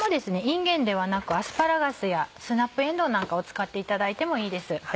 いんげんではなくアスパラガスやスナップえんどうなんかを使っていただいてもいいです。